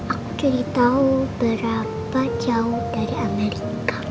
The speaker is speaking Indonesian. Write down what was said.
aku cerita berapa jauh dari amerika